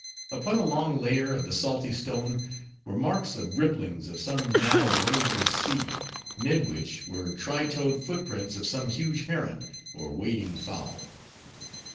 Upon a long layer of the slaty stone were marks of ripplings of some now waveless sea; mid which were tri toed footprints of some huge heron, or wading fowl.